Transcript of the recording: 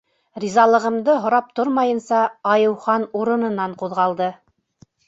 — Ризалығымды һорап тормайынса, Айыухан урынынан ҡуҙғалды.